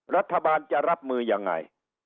รัฐบาลจะรับมือยังไง